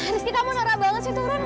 rizky kamu nara banget sih turun gak